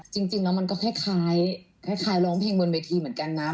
จริงแล้วมันก็คล้ายร้องเพลงบนเวทีเหมือนกันนะ